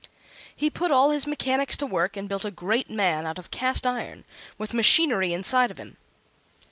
He put all his mechanics to work and built a great man out of cast iron, with machinery inside of him.